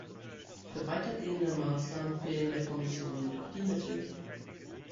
Für weitergehende Maßnahmen fehlen der Kommission jedoch die Mittel.